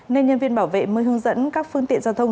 nên nhân viên bảo vệ mới hướng dẫn các phương tiện giao thông